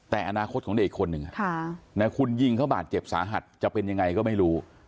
แต่อนาคตของเด็กคนหนึ่งคุณยิงเขาบาดเจ็บสาหัสจะเป็นยังไงก็ไม่รู้